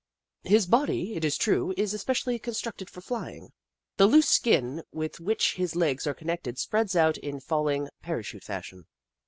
His body, it is true, is especially constructed for flying. The loose skin with which his legs are connected spreads out in falling, parachute fashion.